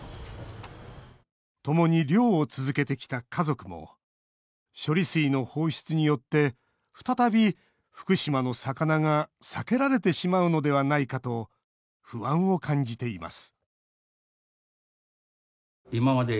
ともに漁を続けてきた家族も処理水の放出によって再び、福島の魚が避けられてしまうのではないかと不安を感じています